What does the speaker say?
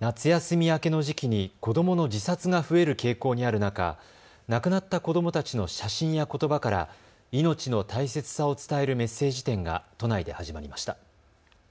夏休み明けの時期に子どもの自殺が増える傾向にある中亡くなった子どもたちの写真やことばから命の大切さを伝えるメッセージ展が都内で始まりました。